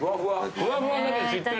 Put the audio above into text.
はい。